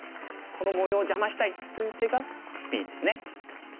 この模様を邪魔したいという手がＢですね。